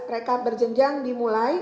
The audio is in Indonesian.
rekap berjenjang dimulai